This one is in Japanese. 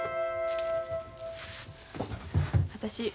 私